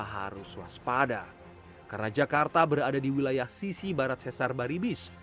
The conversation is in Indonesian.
karena jakarta berada di wilayah sisi barat cesar baribis